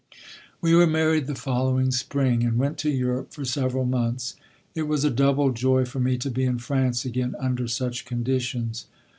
We were married the following spring, and went to Europe for several months. It was a double joy for me to be in France again under such conditions.